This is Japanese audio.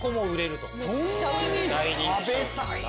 食べたいな！